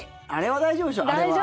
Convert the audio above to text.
大丈夫でしょう。